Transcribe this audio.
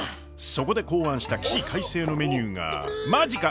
そこで考案した起死回生のメニューがまじか？